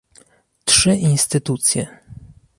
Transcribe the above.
Trzy instytucje